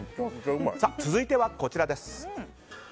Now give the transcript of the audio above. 続いてはこちらです。